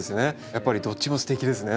やっぱりどっちもすてきですね